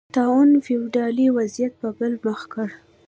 طاعون فیوډالي وضعیت په بل مخ کړ